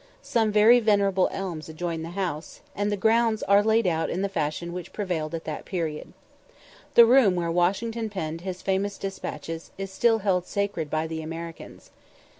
Some very venerable elms adjoin the house, and the grounds are laid out in the fashion which prevailed at that period. The room where Washington penned his famous despatches is still held sacred by the Americans.